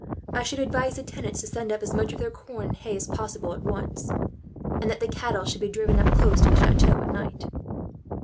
I should advise the tenants to send up as much of their corn and hay as possible, at once; and that the cattle should be driven up close to the chateau, at night."